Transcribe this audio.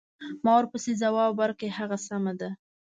ما ورپسې ځواب ورکړ: هغه سمه ده.